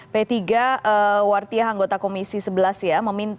p tiga wartiah anggota komisi sebelas ya